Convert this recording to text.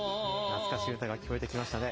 懐かしい歌が聴こえてきましたね。